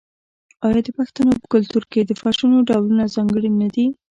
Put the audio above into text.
آیا د پښتنو په کلتور کې د فرشونو ډولونه ځانګړي نه دي؟